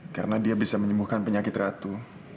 karena dia bisa menyembuhkan penyakit ratu